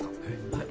はい。